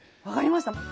分かりました。